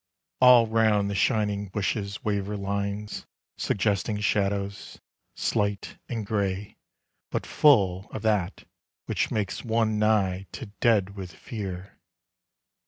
All round the shining bushes waver lines Suggesting shadows, slight and grey, but full Of that which makes one nigh to dead with fear.